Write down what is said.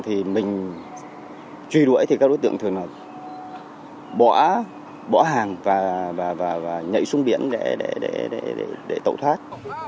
thì mình truy đuổi thì các đối tượng thường bỏ hàng và nhảy xuống biển để tẩu thoát